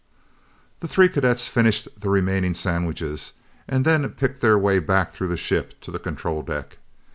The three cadets finished the remaining sandwiches and then picked their way back through the ship to the control deck.